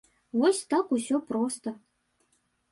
Вось так усё проста.